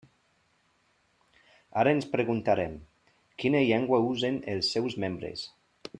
Ara ens preguntarem: ¿quina llengua usen els seus membres?